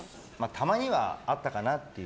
たまにはあったかなっていう。